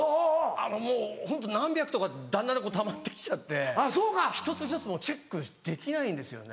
もうホント何百とかだんだんたまって来ちゃって１つずつもうチェックできないんですよね。